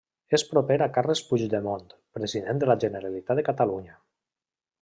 És proper a Carles Puigdemont, President de la Generalitat de Catalunya.